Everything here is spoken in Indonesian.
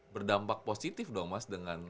berdampak positif dong mas dengan